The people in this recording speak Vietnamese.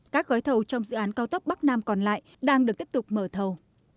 các gói thầu trong dự án cao tốc bắc nam còn lại đang được tiếp tục mở thầu